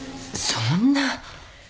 そんな。